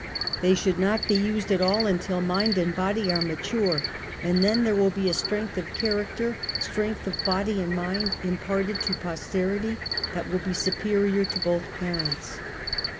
They, should not be used at all until mind and body are mature, and then there will be a strength of character, strength of body and mind imparted to posterity that will be superior to both parents.